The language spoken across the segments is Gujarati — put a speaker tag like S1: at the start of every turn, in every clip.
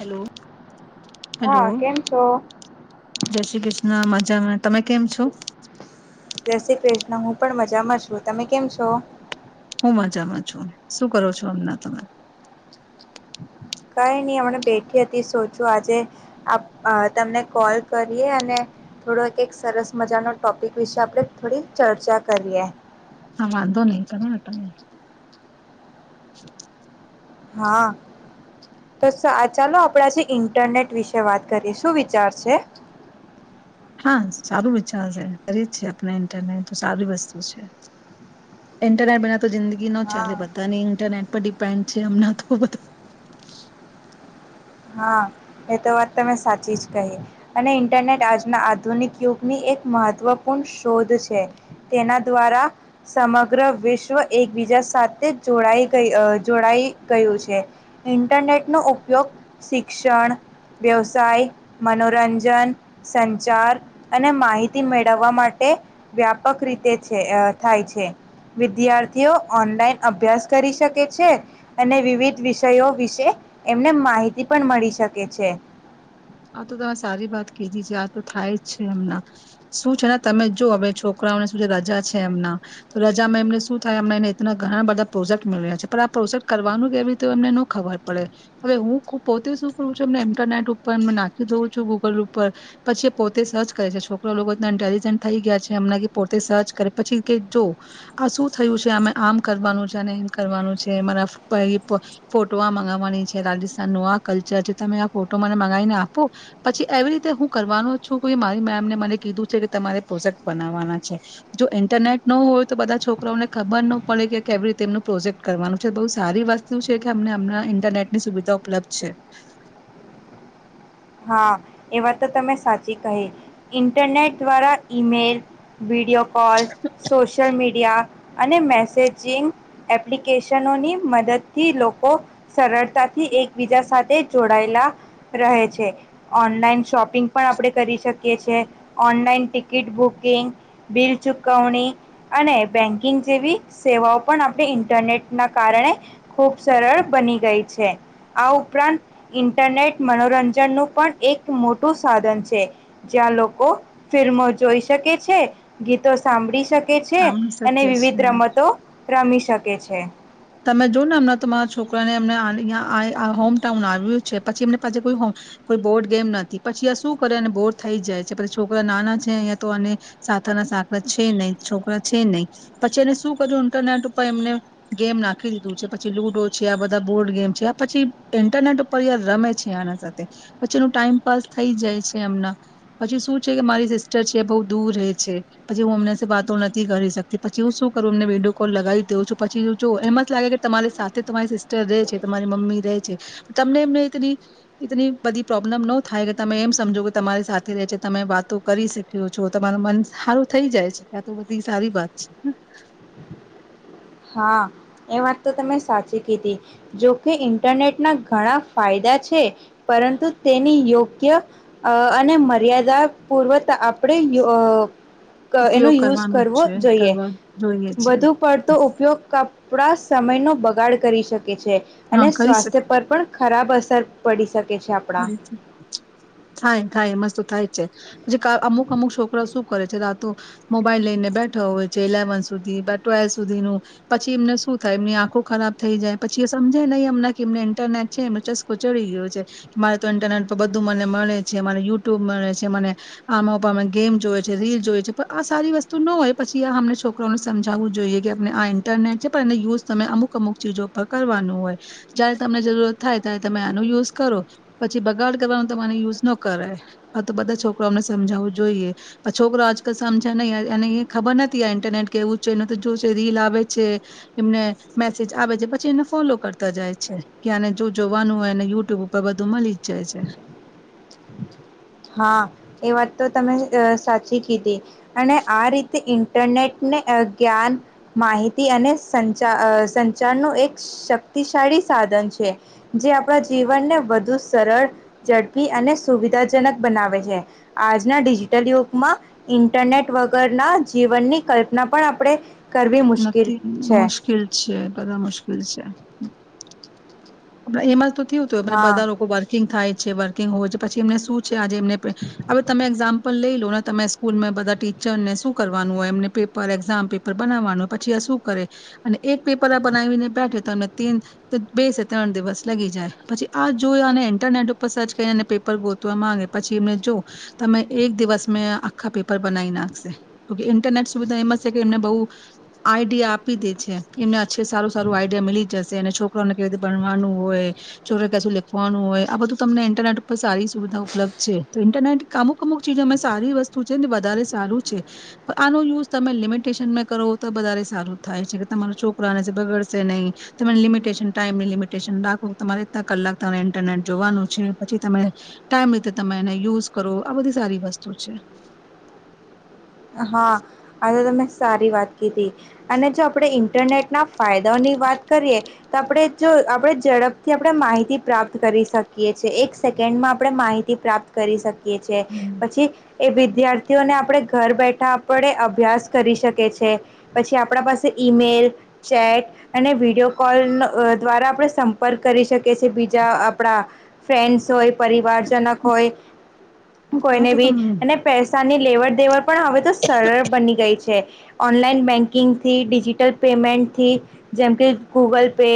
S1: હેલો. હેલો,
S2: હા કેમ છો?
S1: જય શ્રી કૃષ્ણના મજામાં. તમે કેમ છો?
S2: જય શ્રી કૃષ્ણ હું પણ મજામાં છું તમે કેમ છો?
S1: હું મજામાં છું શું કરો છો અમના તમે?
S2: કઈ નહી હમને બેઠી હતી સોચો આજે, આપ તમને કોલ કરીએ અને, થોડો એક એક સરસ મજાનો ટોપિક વિશે આપણે થોડી ચર્ચા કરીએ.
S1: હા વાંધો નહીં કર. [inaudible]
S2: હા, તો ચાલો આપડે આજે ઇન્ટરનેટ વિશે વાત કરીએ સુું વિચાર છે?
S1: હા સારું વિચારશે કરી જી આપણે ઇન્ટરનેટ તો સારી વસ્તુ છે, ઇન્ટરનેટ બના જિંદગી ન
S2: હા
S1: ચાલે બતા ને ઇન્ટરનેટ ઉપ ડિપેન્ડ છે હમણા તો બધા.
S2: હા, એ તો વાત તમે સાચી જ કહી, અને ઇન્ટરનેટ આજના આધુનિક યુગની એક મહત્વપૂર્ણ શોધ છે તેના દ્વારા સમગ્ર વિશ્વ એકબીજા સાથે જોડાઈ ગઈ જોડાઈ ગયું છે, ઇન્ટરનેટ નો ઉપયોગ શિક્ષણ, વ્યવસાય, મનોરંજન, સંચાર અને માહિતી મેળવવા માટે વ્યાપક રીતે છે થાય છે, વિદ્યાર્થીઓ ઓનલાઈન અભ્યાસ કરી શકે છે, અને વિવિધ વિષયો વિશે એમને માહિત પણ મળી શકે છે.
S1: આ તો તમે સારી વાત કીધી છે. આ તો થાય જ છે એમના શું છે ને તમે જો હવે છોકરાઓને શું છે રજા છે એમના તો રજામાં એમને શું થાય એમને એના ઘણા બધા પ્રોજેક્ટ મેળવ્યા છે. પણ આ પ્રોજેક્ટ કરવાનું કેવી રીતે એમને ની ખબર પડે હવે હું પોતે શું કરું છું એમને ઇન્ટરનેટ ઉપ પણ નાખી દઉં છું ગૂગલ ઉપર પછી એ પોતે સર્ચ કરે છે છોકરા લોકો એ ઇન્ટેલિજન્ટ થઈ ગયા છે એમ પોતે સર્ચ કરે પછી કે જો આ શું થયું છે અમે આમ કરવાનું છે અને એમ કરવાનું છે મારા ફોટો આ મગાવવાની છે રાજસ્થાન નું આ કલ્ચર છે તમે આ ફોટો મને લઈને આપો પછી એવી રીતે હું કરવાનો છું કે મારી મેમને મને કીધું છે કે તમારે પ્રોજેક્ટ બનાવવાના છે. જો ઇન્ટરનેટ નો હોય તો બધા છોકરાને ખબર ન પડે કે કેવી રીતે એમનું પ્રોજેક્ટ કરવાનું છે બહુ સારી વસ્તુ છે કે અમનેમ ઈન્ટરનેટ ની સુવિધા ઉપલબ્ધ છે.
S2: હા એ વાત તો તમે સાચી કહી, ઇન્ટરનેટ દ્વારા email video call, social media અને મેસેજિંગ એપ્લિકેશનોની મદદથી લોકો સરળતાથી એકબીજા સાથે જોડાયેલા રહે છે. ઓનલાઈન શોપિંગ પણ આપણે કરી શકીએ છીએ, ઓનલાઈન ટિકિટ બુકિંગ, બિલ ચુકવણી અને બેન્કિંગ જેવી સેવાઓ પણ આપણે ઇન્ટરનેટના કારણે ખૂબ સરળ બની ગઈ છે. આ ઉપરાંત ઇન્ટરનેટ મનોરંજનનું પણ એક મોટું સાધન છે જ્યાં લોકો ફિલ્મો જોઈ શકે છે, ગીતો સાંભળી શક છે
S1: આમ શક્ય
S2: અને
S1: છે.
S2: વિવિધ રમતો રમી શકે છે.
S1: તમે જો ને એમના તોરા છોકરાને એમને હોમટાઉન આવ્યું છે પછી એમને પાછુ કો કોઈ બોર્ડ ગેમ નથી પછી આ શું કરે અને બોર થઈ જાય છે પછી છોકરા નાના છે અહીંયા તો સાના સાંકળા છે નહીં છોકરા છે નહી પછી એને શું કર્યું ઇન્ટરનેટ ઉપર એમને ગેમ નાખ [inaudible] પછી લુડો છે આ બધા બોર્ડ ગેમ છે પછી ઇન્ટરનેટ ઉપર રમે છે આના સાથે પછી એનું ટાઈમપાસ થઈ જાય છે એમના. પછી શું છે કે મારી સિસ્ટર છે બહુ દૂર રહે છે પછી હું અમને વાતો નથી કરી શકતી પછી હું શું કરું એમને વિડીયો કોલ લગાવી દઉં છું પછી જો એમાં આ રીતે તમારી સાથે તમારી સિસ્ટર રે છે તમારી મમ્મી રે છે પણ તમને એમને બધી પ્રોબ્લેમ ન થાય કે તમે એમ સમજો કે તમારી સાથે રે છે તમે વાતો કરી શીખ્યો છો તમાર મન સારું થઈ જાય છે આ તો બધી સારી વાત છે.
S2: હા એ વાત તો તમે સાચી કીધી. જોકે ઇન્ટરનેટના ઘણા ફાયદા છે, પરંતુ તેની યોગ્ય અને મર્યાદા પૂર્વક આપણે અ એનો
S1: ઉપયોગ
S2: યુઝ
S1: કરવાનો જ
S2: કરવો
S1: છે
S2: જોઈએ.
S1: કરવા જોઈએ છે
S2: વધુ પડતો કપડા સમય નો બગાડ કરી શક શકે છે અને
S1: હા કરી શક
S2: સ્વાસ્થ્ય પર પણ ખરાબ અસર પડી શક
S1: થાય થાય મસ્ થાય છે. પછી કા અમુક અમુક છોકરો શું કરે છે રાતો મોબાઈલ લઈને બેઠો હોય છે ઇલેવન સુધી ટ્વેલ્વ સુધી નું પછી એમને શું થાય એમની આંખો ખરાબ થઈ જાય પછી એ સમજે નહીં એમને કે એમને ઇન્ટરનેટ છે એમનો ચસ્કો ચડી ગયો છે. મારે તો ઇન્ટરનેટ પર બધું મને મળે છે મને યુટ્યુબ મળે છે મને આમાંમે ગેમ જોયએ છે રીલ જોયએ છે પણ આ સારી વસ્તુ ન હોય પછી આ અમને છોકરાને સમજાવવું જોઈએ કે આપને આ ઇન્ટરનેટ છે પણ એને યુઝ તમે અમુક અમુક ચીજો પર કરવાનું હોય. જયારે તમને જરૂરત થાય ત્યારે તમે આનો યુઝ કરો. પછી બગાડ કરવાનો તો મને યુઝ ન કરાએ. આ તો બધા છોકરો અમને સમજાવવું જોઈએ. પણ છોકરો આજકાલ સમજે નહીં અનેને ખબર નથી આ ઇન્ટરનેટ કે એવું છે એ તો જો છે રીલ આવે છે એમને મેસેજ આવે છે પછી એને ફોલો કરતા જાય છે કે આને જો જોવાનું હોય એને યુટ્યુબ ઉપર બ ધું મલીજ જાય છે.
S2: હા, એ વાત તો તમે અહ સાચી કીધી અને આ રીતે ઇન્ટરનેટને અહ જ્ઞાન માહિતી અને સંચાર અહ સંચારનું એક શક્તિશાળી સાધન છે, જે આપદઉંજીવનને વધુ સરળ ઝડપી અને સુવિધા જનક બનાવે છે. આજના ડિજિટલ યુગમાં ઇન્ટરનેટ વગરના જીવનની કલ્પના પણ આપડે
S1: નથી મુશ્કેલ છે, બધા મુશ્કેલ છે. આપડા એમાં તો થિયું તો એમ ને
S2: હા
S1: બધા લોકો વર્કિંગ થાય છે વર્કિંગ હોય છે પછી એમને શું છ એ આજે એમને પે હવે તમે એક્ઝામ પણ લઈ લો ને તમે સ્કૂલમાં બધા ટીચર ને શું કરવાનું હોય એમને પેપર એક્ઝામ પેપર બનાવવાનું હોય પછી આ શું કરે અને એક પેપર આ બનાવીને બેઠે તો તમે તેન બે સે ત્રણ દિવસ લગી જાય પછી આ જોય અનેને ઇન્ટરનેટ ઉપર સર્ચ કરી પેપર ગોતવા માંગે પછી. એમને જો તમે એક દિવસ મેં આખા પેપર બનાવી નાખશે. કયુંકી ઇન્ટરનેટ સુવિધા એમ જ છે કે એમને બહુ આઈડિયા આપી દે છે એમને એછે સારું સારું આઈડિયા મી જશે અને છોકરાને કવી ભણવાનું હોય છોકરે કશું લેખવાનું હોય આ બધું તમને ઇન્ટરનેટ ઉપર સારી સુવિધા ઉપલબ્ધ છે. તો ઇન્ટરનેટ અમુક અમુક ચીજ અમે સારી વસ્તુ છે ને વધારે સારું છે આનો યુઝ તમે લિમિટેશનમાં કરો તો વધારે સારું થાય છે કે તમારો છોકરાને બગડશે નહી તને લિમિટેશન ટાઈમની લિમિટેશન રાખો તમારે એલા કલાક તમારે ઇન્ટરનેટ જોવાનું છે પછી તમે ટાઈમ રીતે તમે એને યુઝ કરો આ બધી સારી વસ્તુ છે.
S2: હા, આ તો તમે સારી વાત કીધી અને જો આપડે ઇન્ટરનેટના ફાયદાઓની વાત કરીએ તો આપડે જો આપડે ઝડપથી આપડે માહિતી પ્રાપ્ત કરી શકીએ છે એક સેકન્ડમાં આપડે માહિતી પ્રાપ્ત કરી શક કીએ છે પછી એ વિધિયાર તેઓને આપડે ઘર બેઠા આપડે અભ્યાસ કરી શકીએ છે. પછી આપડા પાસે ઇમેલ ચેટ અને વિડીયો કોલનો અહ દ્વારા આપડે સંપર્ક કરી શકીએ છીએ બીજા આપડા ફ્રેન્ડ્સ હોય પરિવારજનક હોય
S1: હા
S2: કોઈને
S1: તો
S2: બી,
S1: તમ
S2: અને પૈસાની લેવડ દેવડ. પણ હવે તો સરળ બની ગઈ છે. ઓનલાઈન બેન્કિંગથી ડિજિટલ પેમેન્ટથી, જેમ કે ગૂગલ પે.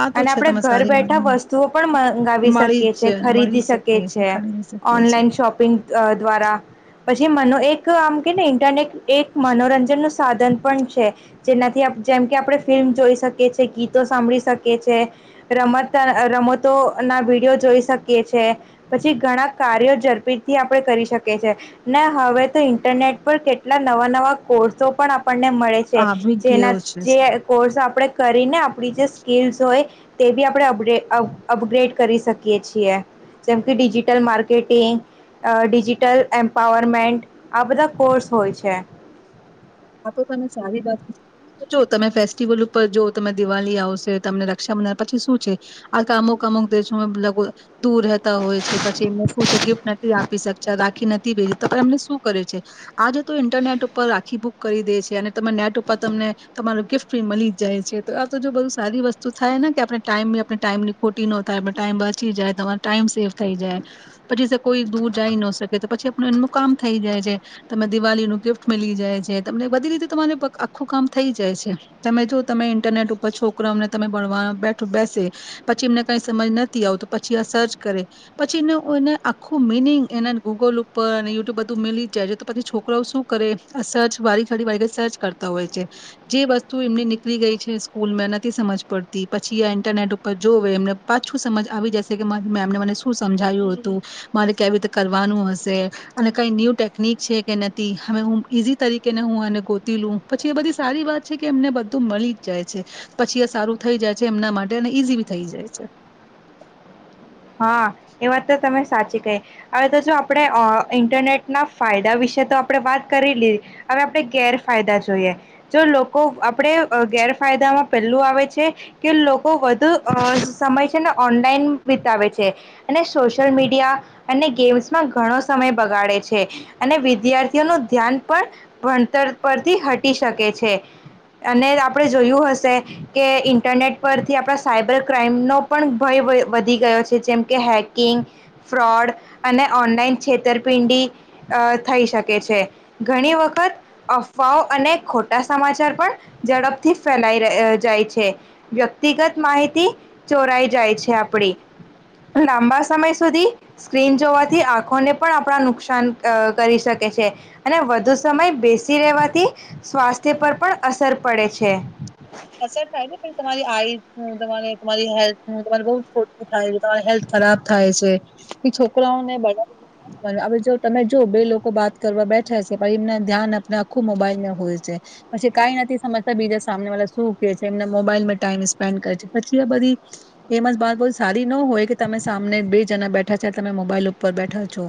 S1: આ તો
S2: અને
S1: છે
S2: આપણે
S1: તમે
S2: ઘર
S1: સારી વાત
S2: બેઠા વસ્તુઓ પણ મંગાવી
S1: મળી
S2: શકીએ છ છેએ
S1: જ મળી
S2: ખરીદી શકીએ છે,
S1: ખરીદી શકીએ છે
S2: ઓનલાઈન શોપિંગ દ્વારા. પછી મનો એક આમ કે ને ઇન્ટરનેટ એક મનોરંજન નું સાધન પણ છે, જેનાથી જેમ કે આપણે ફિલ્મ જોઈ શકીએ છીએ ગીતો સાંભળી શકીએ. રમત રમતોના વિડીયો જોઈ શકીએ છે, પછી ઘણા કાર્યો ઝડપીટથી આપણે કરી શકીએ છીએ ને હવે તો ઇન્ટરનેટ પર કેટલા નવા નવા કોર્સો પણ આપણે આપને મળે છે,
S1: આવી ગયો
S2: જેના
S1: છે.
S2: જે કોર્સ આપણેે. કરીને આપણી જે સ્કકીલ્સ હોય, તે બી આપણે અપ અપગ્રેડ કરી શકીએ છીએ, જેમ કે ડિજિટલ માર્કેટિંગ, ડિજિટલ એમ્પાવરમેન્ટ આ બધા કોર્સ હોય છે.
S1: આ તો તમે સારી વાત, જો તમે ફેસ્ટિવલ ઉપર જો તમે દિવાળી આવશે તમને રક્ષાબંધન પછી શું છે, આ કામોક આમોક દશુંગ. દૂર રહેતા હોય છે પછી એમને શું છે ગિફ્ટ નથી આપી શકતા રા નથી ભ એમને શું કરે છે, આજ ન્ટરનેટ ઉપર આખીક કરી દે છે અને ત નેટ ઉપર તમને, તમાર ગિફ્ટ બી મળી જ જાય છે તો આ તો જો બધુ સારી વસ્તુ થાય ને કે આપણે ટાઈમ બી આપણે ટાઈમ ની ખોટી ન થાય ટાઈમ વાંચી જાય તમારો ટાઈમ સેવ થઈ જાય, પછી કોઈ દૂર જાય ન શકે તો પછી આપણું એમનું કામ થઈ જાય છે, તમે દિવાળી નું ગિફ્ટ મળી જાય છે. તમ બધી રીતે તમારે આખું કામ થઈ જાય છે, તમે જો તમે ઇન્ટરનેટ ઉપર છોકરા અમને તમે ભણવા બેઠ બેસે, પછી એમને કઈ સમજ નથી આવ તો પછી આ સર્ચ કરે, પછી એને એને આખું મિનિંગ એના ગૂગલ ઉપર અને યુટુબ બધું મિલી જ જાય છે તો પછી છોકરાઓ શું કરે આ સર્ચ વાળ ફડી વાળ સર્ચ કરતા હોય છે, જે વસ્તુ એમની નીકળી ગઈ છે સ્કૂલમાં નથી સમજ પડતી પછી ઇન્ટરનેટ ઉપર જોવે એમને પાછું સમજ આવી જશે કે મારી મેમને મને શું સમજાવ્યું હતું, મારે કેવી રીતે કરવાનું હશે, અને કઈ ન્યુ ટેકનિક છે કે નથી હવે હું ઈઝી તરી કેને હું એને ગોતી લું પછી એ બધી સારી વાત છે કે એમને બધું મળી જ જાય છે, પછી એ સારું થઈ જાય છે એમના માટે અને ઈઝી બી થઈ જાય છે.
S2: હા, એ વાત તો તમે સાચી કહી, હવે તો જો આપણે ઇન્ટરનેટના ફાયદા વિશે તો આપણે વાત કરી લી, હવે આપણે ગેરફાયદા જોઈએ, જો લોકો આપણે ગેરફાયદામાં પેલું આવે છે, કે લોકો વધુ સમય છે ને ઓનલાઈન આવે છે, અને સોશિયલ મીડિયા અને ગેમ્સમાં ઘણો સમય બગાડે છે, અને વિદ્યાર્થીઓનું ધ્યાન પણ, ભણતર પરથી હટી શકે છે, અને આપણે જોયું હશે, કે ઇન્ટરનેટ પરથી આપણા સાયબર ક્રાાઈમનો પણ ભય વધી. જેમકે હેકિંગ ફ્રોડ અને ઓનલાઈન છેતરપિંડી થઈ શકે છે ઘણી વખત અફવાઓ અને ખોટા સમાચાર પણ ઝડપથી ફેલાઈ જાય છે વ્યક્તિગત માહિતી ચોરાઈ જાય છે આપણી લાંબા સમય સુધી સ્ક્રીન જોવાથી આંખોને પણ આપણા નુકસાન કરી શકે છે, અને વધુ સમય બેસી રહેેવાથી, સ્વાસ્થ્ય પર પણ અસર પડે છે.
S1: અસર થાય ને પણ તમારી આઈસ ને તમારે તમારી હેલ્થ ને તમારે બવ ખોટુ થાય તમારી હેલ્થ ખરાબ થાય છે. એ છોકરાઓને બને, જો તમે જો બે લોકો બાત કરવા બેઠે સે પણ એમને ધ્યાન આપને આખું મોબાઈલ ને હોય છે. પછી કાઈ નથી સમજતા બીજા સામને વાળા શું કે છે એમના મોબાઈલમાં ટાઈમ સ્પેન્ડ કરે છે. પછી આ બધી એમાં જ બાત બહું સારી ન હોય કે તમે સામને બે જણા બેઠા છે તમે મોબાઈલ ઉપર બેઠા છો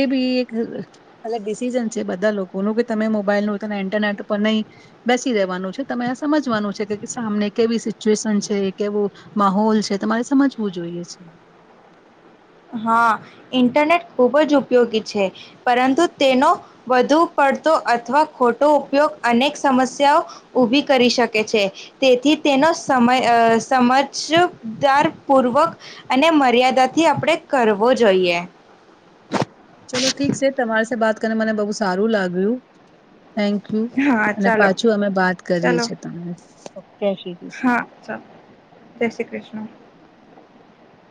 S1: એ બી એક અલગ ડિસિઝન છે બધા લોકોનું, કે તમે મોબાઈલનું તમે ઇન્ટરનેટ ઉપર નહી બેસી રહેવાનું છે. તમે આ સમજવાનું છે કે સામને કેવી સિચ્યુએશન છે, કેવો માહોલ છે તમારે સમજવું જોઈએ છે.
S2: હા ઇન્ટરનેટ ખુબ જ ઉપયોગી છે પરંતુ તેનો વધુ પડતો અથવા ખોટ ટો ઉપયોગ અનેક સમસ્યાઓ ઊભી કરી શકે છે, તેથી તેનો સમય અહ સમજદારપૂર્વક અને મર્યાદાથી આપણે કરવો જોઈએ.
S1: તને મને બહુ સારું લાગ્યું. થેન્ક યુ
S2: હા
S1: અને
S2: ચાલો
S1: પાછું અમે બાત કરીએ
S2: ચાલો
S1: છીએ તમારે.
S2: હા ચાલો જય શ્રી ક્રિષ્ના.